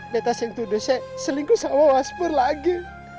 betta sing tuduh se selingkuh sawah waspur lagi